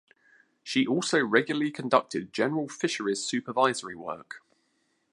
She also regularly conducted general fisheries supervisory work.